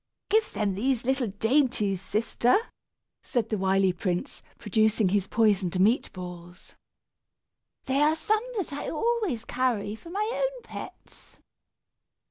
"Give them these little dainties, sister," said the wily prince, producing his poisoned meat balls. "They are some that I always carry for my own pets."